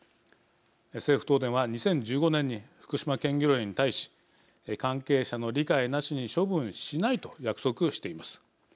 政府、東電は２０１５年に福島県漁連に対し関係者の理解なしに処分しないと約束しています。